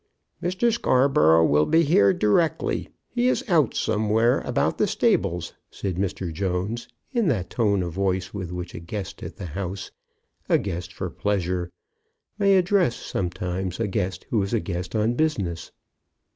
"Mr. Scarborough will be here directly. He is out somewhere about the stables," said Mr. Jones, in that tone of voice with which a guest at the house, a guest for pleasure, may address sometimes a guest who is a guest on business.